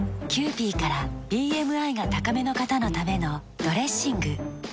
キユーピーからＢＭＩが高めの方のためのドレッシング。